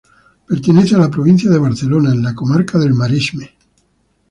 Pertenece a la provincia de Barcelona, en la comarca del Maresme.